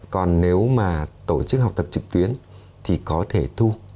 còn nếu mà tổ chức học tập trực tuyến thì có thể thu